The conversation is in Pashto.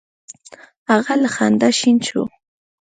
هغه له خندا شین شو: